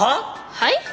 はい？